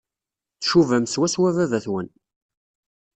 Tcubam swaswa baba-twen.